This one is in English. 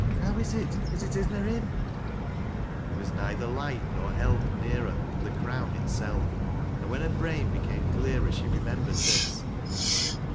" How is it, as it ii iia livm f " There was neither light Dor help nearer than " The Ciown" itself, and when her brain became clearer, slie lemembered this.